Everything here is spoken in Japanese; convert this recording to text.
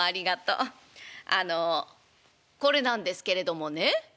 あのこれなんですけれどもね」。